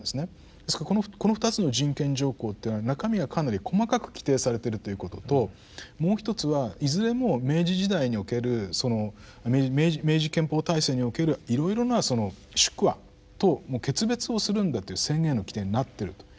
ですからこの２つの人権条項というのは中身がかなり細かく規定されてるということともうひとつはいずれも明治時代におけるその明治憲法体制におけるいろいろなその宿痾と決別をするんだという宣言の規定になってるということです。